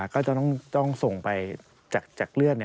ก็จะต้องส่งไปจากเลือด